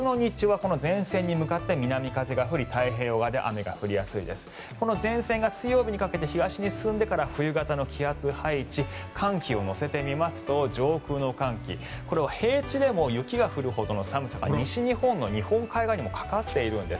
この前線が水曜日にかけて東に進んでから冬型の気圧配置寒気を乗せてみますと上空の寒気、これは平地でも雪が降るほどの寒さ西日本の日本海側にもかかっているんです。